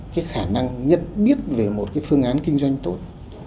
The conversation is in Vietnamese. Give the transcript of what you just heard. cái khả năng nhận biết về một cái phương án kinh doanh tốt